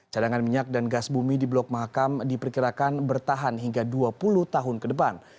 cadangan minyak dan gas bumi di blok mahakam diperkirakan bertahan hingga dua puluh tahun ke depan